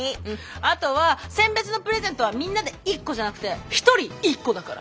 あとは餞別のプレゼントはみんなで１個じゃなくて１人１個だから！